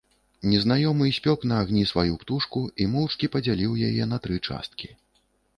Незнаёмы спёк на агні сваю птушку і моўчкі падзяліў яе на тры часткі.